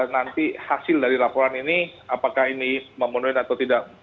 nanti hasil dari laporan ini apakah ini memenuhi atau tidak